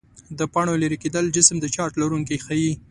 د پاڼو لیري کېدل جسم د چارج لرونکی ښيي.